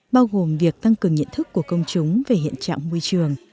bao gồm việc tăng cường nhận thức của công chúng về hiện trạng môi trường